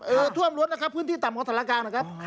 เออท่วมลดนะครับพื้นที่ต่ำของศาลกลางนะครับ